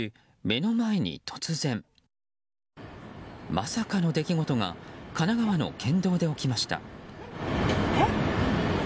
まさかの出来事が神奈川の県道で起きました。